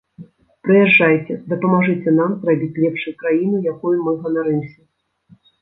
Прыязджайце, дапамажыце нам зрабіць лепшай краіну, якой мы ганарымся!